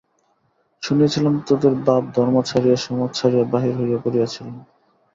শুনিয়াছিলাম তোদের বাপ ধর্ম ছাড়িয়া, সমাজ ছাড়িয়া বাহির হইয়া পড়িয়াছিলেন।